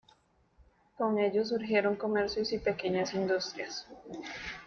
Con ellos surgieron comercios y pequeñas industrias.